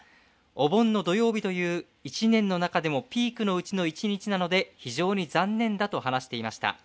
お盆の土曜日という１年の中でもピークのうちの一日なので非常に残念だと話していました。